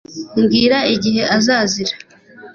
Mbwira igihe azazira